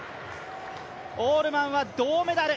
オールマンは銅メダル。